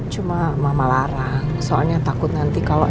cuma mama larang soalnya takut nanti kalau